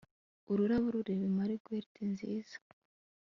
ururabo rube marguerite nziza